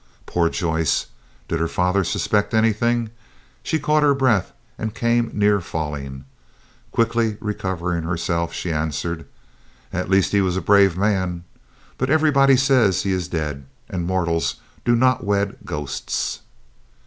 Poor Joyce! Did her father suspect anything? She caught her breath, and came near falling. Quickly recovering herself, she answered. "At least he was a brave man. But everybody says he is dead, and mortals do not wed ghosts."